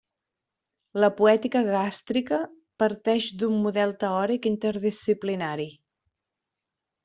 La poètica gàstrica parteix d'un model teòric interdisciplinari.